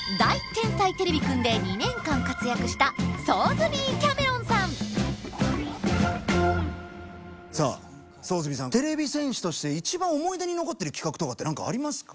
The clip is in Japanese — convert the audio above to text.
天才てれびくん」で２年間活躍したさあソーズビーさんてれび戦士として一番思い出に残ってる企画とかって何かありますか？